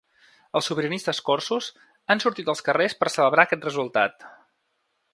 Els sobiranistes corsos han sortit als carrers per celebrar aquest resultat.